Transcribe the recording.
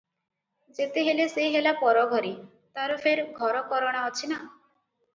ଯେତେ ହେଲେ ସେ ହେଲା ପରଘରୀ, ତାର ଫେର ଘରକରଣା ଅଛି ନା?